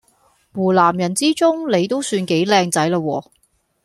湖南人之中你都算幾靚仔喇喎